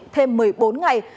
thêm một mươi bốn ngày